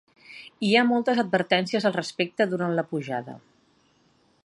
Hi ha moltes advertències al respecte durant la pujada.